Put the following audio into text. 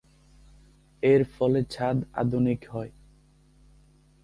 এর ফলে ছাদ আধুনিক হয়।